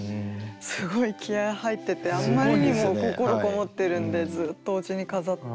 すごい気合い入っててあんまりにも心こもってるんでずっとおうちに飾って。